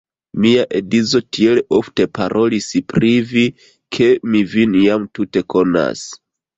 Mia edzo tiel ofte parolis pri vi, ke mi vin jam tute konas.